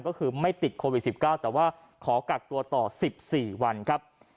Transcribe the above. ก็คือไม่ติดโควิด๑๙แต่ว่าขอกักตัวต่อ๑๔วันครับ